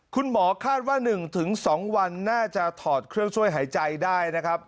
คุณหมอคาดว่า๑๒วันน่าจะถอดเครื่องช่วยหายใจได้นะครับ